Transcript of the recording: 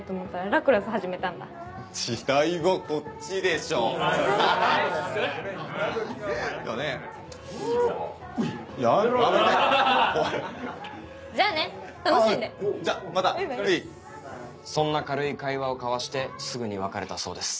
楽しんでそんな軽い会話を交わしてすぐに別れたそうです。